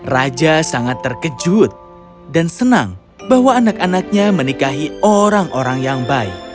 raja sangat terkejut dan senang bahwa anak anaknya menikahi orang orang yang baik